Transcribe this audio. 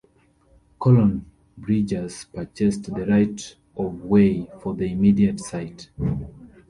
Colonel Bridgers purchased the right of way for the immediate site.